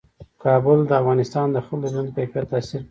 کابل د افغانستان د خلکو د ژوند کیفیت تاثیر کوي.